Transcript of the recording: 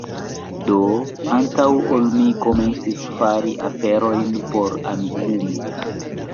Do, antaŭ ol mi komencis fari aferojn por Amikumu